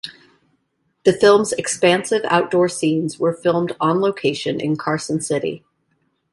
The film's expansive outdoor scenes were filmed on location in Carson City.